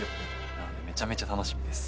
なのでめちゃめちゃ楽しみです。